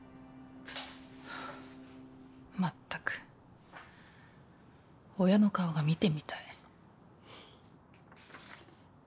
まったく親の顔が見てみたい。